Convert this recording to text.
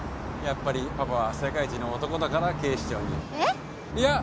やっぱりパパは世界一の男だから警視庁に。